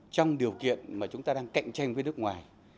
trong điều kiện mà chúng ta đang cạnh tranh với nước ngoài